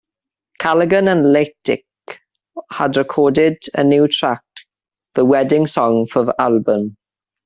Callaghan and Leitch had recorded a new track, "The Wedding Song", for the album.